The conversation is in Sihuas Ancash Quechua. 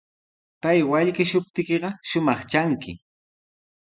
Pay wallkishuptiykiqa shumaq tranki.